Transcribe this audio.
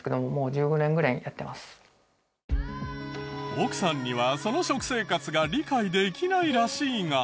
奥さんにはその食生活が理解できないらしいが。